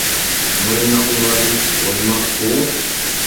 Mùn nap nwer i, wu nap pô.